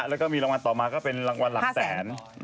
แล้วก็มีรางวัลต่อมาก็เป็นรางวัลหลักแสน